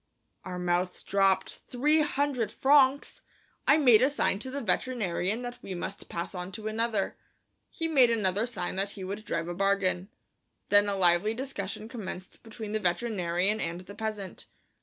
Our mouths dropped. Three hundred francs! I made a sign to the veterinarian that we must pass on to another; he made another sign that he would drive a bargain. Then a lively discussion commenced between the veterinarian and the peasant.